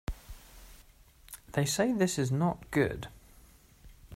They say this is not good.